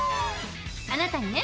あなたにね